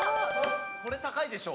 これ高いでしょ。